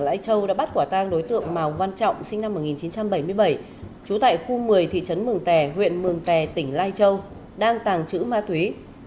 tại lai châu đã bắt quả tang đối tượng màu văn trọng sinh năm một nghìn chín trăm bảy mươi bảy trú tại khu một mươi thị trấn mường tè huyện mường tè tỉnh lai châu đang tàng trữ ma túy